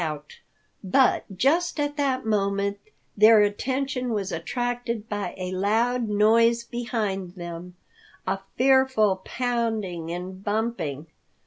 But just at that moment their attention was attracted by a loud noise behind them, a fearful pounding and bumping.